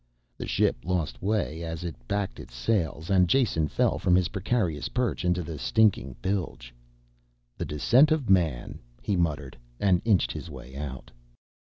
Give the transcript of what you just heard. The ship lost way as it backed its sails and Jason fell from his precarious perch into the stinking bilge. "The descent of man," he muttered and inched his way out.